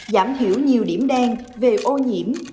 giảm thiểu nhiều điểm đen về ô nhiễm